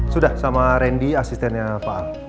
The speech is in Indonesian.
sudah sama randy asistennya pak